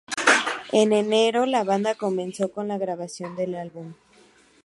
En enero la banda comenzó con la grabación del álbum.